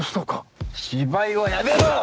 芝居はやめろ！